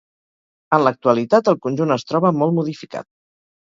En l'actualitat el conjunt es troba molt modificat.